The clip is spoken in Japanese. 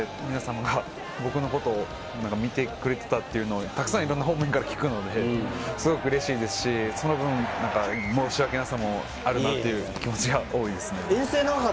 １９年くらい、帰ってきて皆さまが僕のことを見てくれてたというのをたくさんいろんな方面から聞くので、すごくうれしいですし、その分、申し訳なさもあるなっていう気持ちが多いですね。